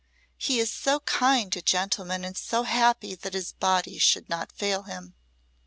He is so kind a gentleman and so happy that his body should not fail him.